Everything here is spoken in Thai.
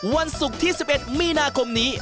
วันศุกร์ที่๑๑มีนาคมนี้